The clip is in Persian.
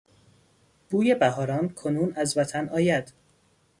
بوی بهاران کنون از وطن آید